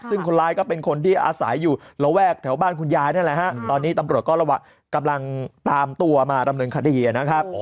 ซึ่งคนร้ายก็เป็นคนที่อาศัยอยู่ระแวกแถวบ้านคุณยายนั่นแหละฮะตอนนี้ตำรวจก็ระหว่างกำลังตามตัวมาดำเนินคดีนะครับ